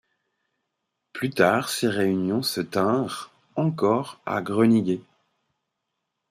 Plus tard ces réunions se tinrent encore à Groningue.